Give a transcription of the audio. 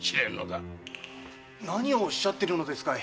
何をおっしゃっているのですかい？